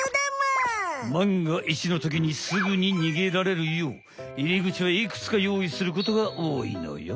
まんがいちのときにすぐににげられるよう入り口はいくつか用意することがおおいのよ。